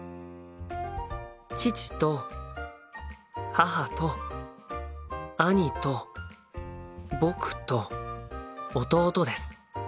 父と母と兄と僕と弟です。